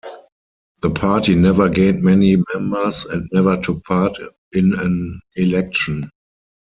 The party never gained many members and never took part in an election.